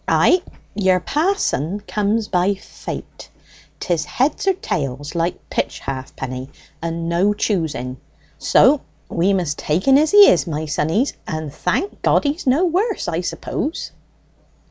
Ay, your pa'son comes by fate: 'tis heads or tails, like pitch halfpenny, and no choosing; so we must take en as he is, my sonnies, and thank God he's no worse, I suppose."